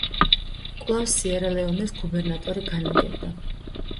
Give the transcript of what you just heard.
კვლავ სიერა-ლეონეს გუბერნატორი განაგებდა.